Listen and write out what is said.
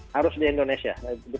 harus di indonesia